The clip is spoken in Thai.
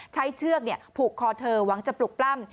เชือกผูกคอเธอหวังจะปลุกปล้ำ